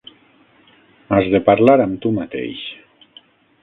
Has de parlar amb tu mateix.